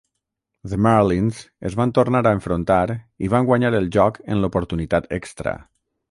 The Marlins es van tornar a enfrontar i van guanyar el joc en l'oportunitat extra.